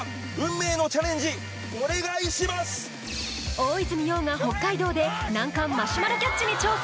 大泉洋が北海道で難関マシュマロキャッチに挑戦